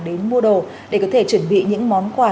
đến mua đồ để có thể chuẩn bị những món quà